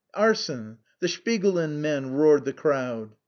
"Arson! The Shpigulin men!" roared the crowd.